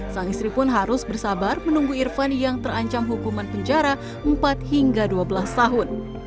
sang istri pun harus bersabar menunggu irfan yang terancam hukuman penjara empat hingga dua belas tahun